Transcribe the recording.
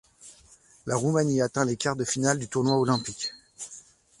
La Roumanie atteint les quarts de finale du tournoi olympique.